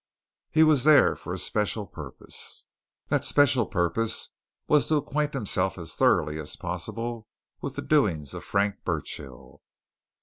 He was there for a special purpose that special purpose was to acquaint himself as thoroughly as possible with the doings of Frank Burchill.